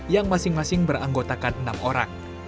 yang masing masing beranggotakan enam orang